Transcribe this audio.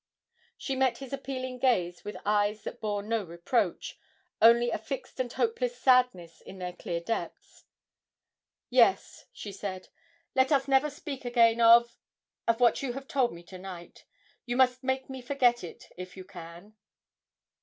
She met his appealing gaze with eyes that bore no reproach, only a fixed and hopeless sadness in their clear depths. 'Yes,' she said, 'let us never speak again of of what you have told me to night you must make me forget it, if you can.'